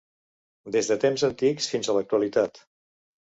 Des de temps antics fins a l'actualitat.